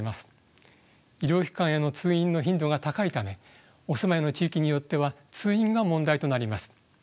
医療機関への通院の頻度が高いためお住まいの地域によっては通院が問題となります。